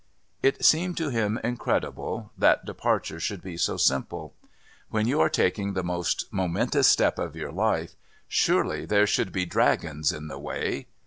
It seemed to him incredible that departure should be so simple. When you are taking the most momentous step of your life, surely there should be dragons in the way!